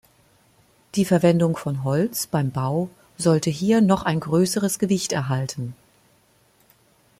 Die Verwendung von Holz beim Bau sollte hier noch ein größeres Gewicht erhalten.